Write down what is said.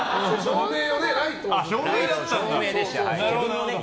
ああ、照明だったんだ。